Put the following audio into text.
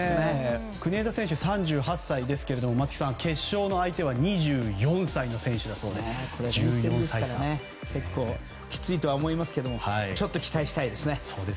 国枝選手３８歳ですけど松木さん、決勝の相手は２４歳ということできついとは思いますけどちょっと期待したいですね。